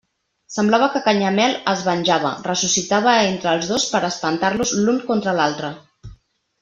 Semblava que Canyamel es venjava, ressuscitava entre els dos per a espentar-los l'un contra l'altre.